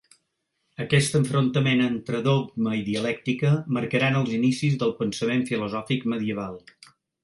Aquest enfrontament entre dogma i dialèctica marcaran els inicis del pensament filosòfic medieval.